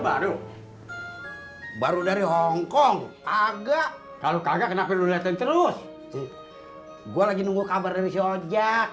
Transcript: baru baru dari hongkong agak kalau kagak kenapa lu lihat terus gua lagi nunggu kabar dari soja